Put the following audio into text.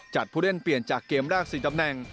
ผู้เล่นเปลี่ยนจากเกมแรก๔ตำแหน่ง